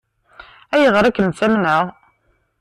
Ayɣer i kem-ttamneɣ?